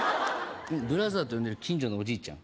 ブラザーと呼んでる近所のおじいちゃん？